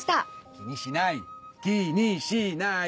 気にしない気にしない！